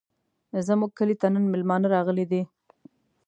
زموږ کلي ته نن مېلمانه راغلي دي.